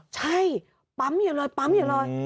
ใช่ปั๊มอยู่เลย